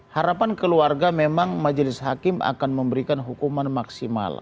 harapan keluarga memang majelis hakim akan memberikan hukuman maksimal